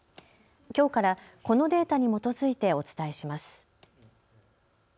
きょうからこのデータに基づいてお伝えします。